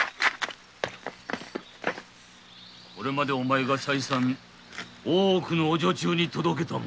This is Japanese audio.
これまでお前が再三大奥のお女中に届けた物